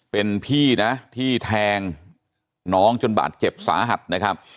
เป็นพี่นะที่แทงน้องจนบาดเจ็บสาหัสนะครับ